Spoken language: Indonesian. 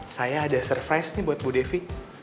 saya ada surprise nih buat bu devi